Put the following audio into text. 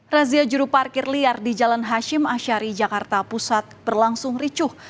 razia juru parkir liar di jalan hashim ashari jakarta pusat berlangsung ricuh